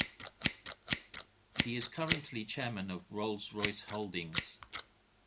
He is currently chairman of Rolls-Royce Holdings.